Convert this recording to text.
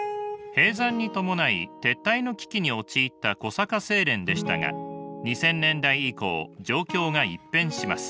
閉山に伴い撤退の危機に陥った小坂製錬でしたが２０００年代以降状況が一変します。